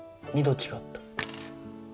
２度違った。